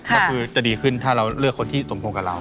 ก็คือจะดีขึ้นถ้าเราเลือกคนที่สมพงษ์กับเรา